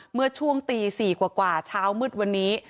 เมื่อช่วงตี๔กว่าเช้ามืดวันนี้